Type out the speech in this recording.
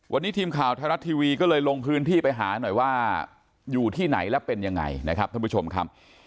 วันนี้ทีมข่าวไทยรัฐทีวีก็เลยลงพื้นที่ไปหาหน่อยว่าอยู่ที่ไหนและเป็นยังไงนะครับท่านผู้ชมครับ